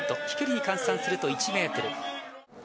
飛距離に換算すると１ｍ。